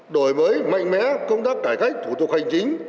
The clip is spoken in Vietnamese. đổi mới mạnh mẽ công tác cải cách thủ tục hành chính